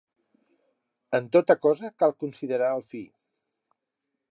En tota cosa cal considerar el fi.